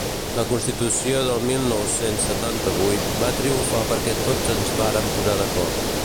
La constitució del mil nou-cents setanta-vuit va triomfar perquè tots ens vàrem posar d’acord.